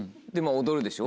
踊るでしょ